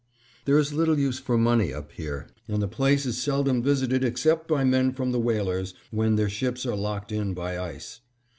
There is little use for money up here, and the place is seldom visited except by men from the whalers, when their ships are locked in by ice.